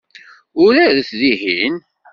Uraret dihin.